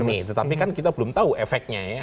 tetapi kan kita belum tahu efeknya ya